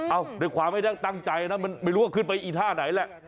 เอาด้วยความไม่ได้ตั้งใจนะมันไม่รู้ว่าขึ้นไปอีท่าไหนแหละ